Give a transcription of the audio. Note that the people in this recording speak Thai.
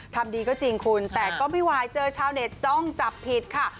ทำดีก็จริงคุณแต่ก็ไม่ไหวเจอชาวเน็ตจ้องจับผิดค่ะ